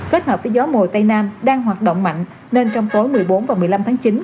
kết hợp với gió mùa tây nam đang hoạt động mạnh nên trong tối một mươi bốn và một mươi năm tháng chín